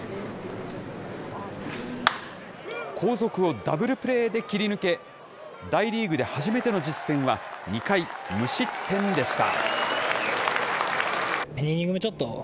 後続をダブルプレーで切り抜け、大リーグで初めての実戦は２回無失点でした。